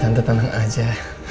tante tenang aja